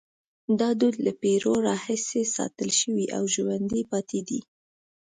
دا دود له پیړیو راهیسې ساتل شوی او ژوندی پاتې دی.